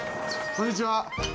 こんにちは。